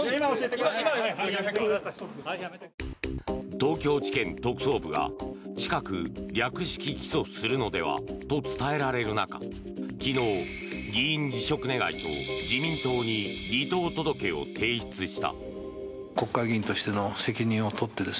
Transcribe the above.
東京地検特捜部が近く略式起訴するのではと伝えられる中昨日、議員辞職願と自民党に離党届を提出した。